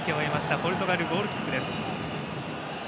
ポルトガル、ゴールキックです。